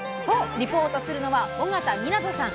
リポートするのは緒方湊さん。